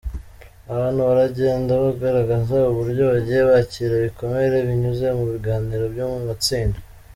Abantu baragenda baragaraza uburyo bagiye bakira ibikomere binyuze mu biganiro byo mu matsinda.